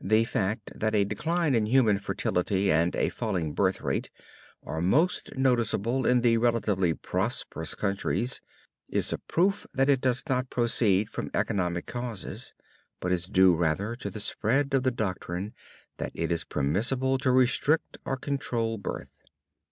The fact that a decline in human fertility and a falling birth rate are most noticeable in the relatively prosperous countries is a proof that it does not proceed from economic causes; but is due rather to the spread of the doctrine that it is permissible to restrict or control birth.